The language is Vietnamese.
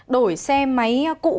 đổi xe máy cũ